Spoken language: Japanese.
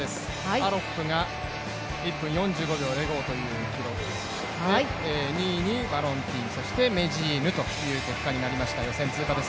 アロップが１分４５秒０５という記録、２位にバロンティーニ、そしてメジーヌという結果になりました。